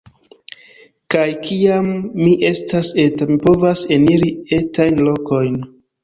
Kaj kiam mi estas eta, mi povas eniri etajn lokojn.